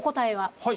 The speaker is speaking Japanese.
はい。